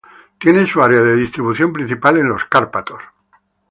Tiene su área de distribución principal en los Cárpatos.